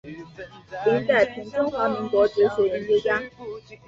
林宰平中华民国哲学研究家。